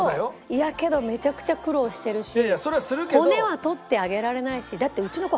いやけどめちゃくちゃ苦労してるし骨は取ってあげられないし。